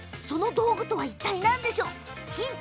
その道具とはいったい何でしょうか？